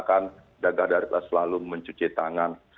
dan juga digunakan dagah dari selalu mencuci tangan